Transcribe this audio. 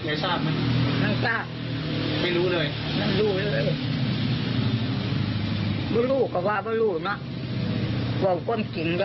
เวลาเขาไปทำงานเขาก็ไป๒คนพี่เหมือนกันน๊ะ